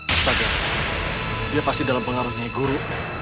astaga dia pasti dalam pengaruh nyai guru